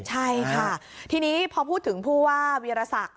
ใช่ค่ะทีนี้พอพูดถึงผู้ว่าวีรศักดิ์